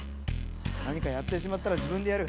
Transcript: なにかやってしまったら自分でやる。